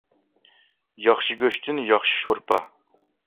ياخشى گۆشتىن ياخشى شورپا.